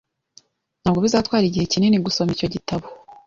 Ntabwo bizatwara igihe kinini gusoma icyo gitabo .